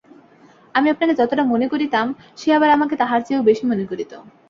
আমি আপনাকে যতটা মনে করিতাম, সে আবার আমাকে তাহার চেয়েও বেশি মনে করিত।